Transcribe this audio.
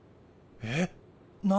えっ何で？